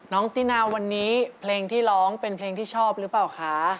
ตินาวันนี้เพลงที่ร้องเป็นเพลงที่ชอบหรือเปล่าคะ